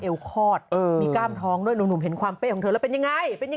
คลอดมีกล้ามท้องด้วยหนุ่มเห็นความเป้ของเธอแล้วเป็นยังไง